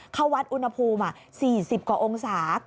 เข้าวัดอุณหภูมิ๔๐กว่าองศา